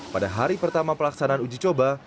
pada hari pertama pelaksanaan uji coba